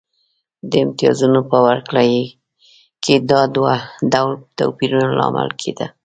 د امتیازونو په ورکړه کې دا ډول توپیرونه لامل کېده.